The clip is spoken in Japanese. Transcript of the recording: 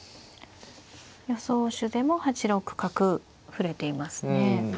予想手でも８六角触れていますね。